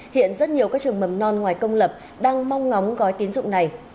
hiện rất nhiều các trường mầm non ngoài công lập đang mong ngóng gói tín dụng này